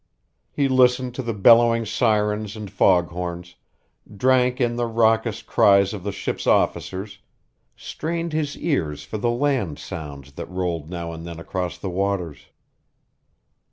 He listened to the bellowing sirens and foghorns, drank in the raucous cries of the ship's officers, strained his ears for the land sounds that rolled now and then across the waters.